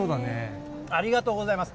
ありがとうございます。